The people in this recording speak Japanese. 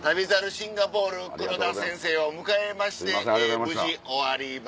シンガポール黒田先生を迎えまして無事終わりました。